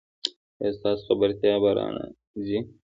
ایا ستاسو خبرتیا به را نه ځي؟